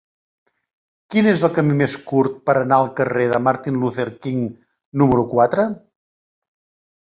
Quin és el camí més curt per anar al carrer de Martin Luther King número quatre?